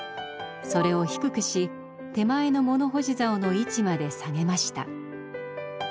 それを低くし手前の物干し竿の位置まで下げました。